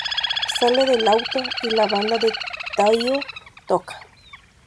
Salen del auto y la banda de Taio toca.